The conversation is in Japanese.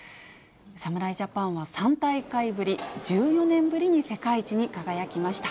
侍ジャパンは、３大会ぶり１４年ぶりに世界一に輝きました。